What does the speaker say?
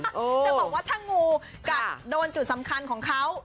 จะบอกว่าถ้างูกัดโดนจุดสำคัญของเขา